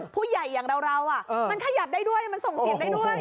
ผู้ใหญ่อย่างเรามันขยับได้ด้วยมันส่งเสียงได้ด้วย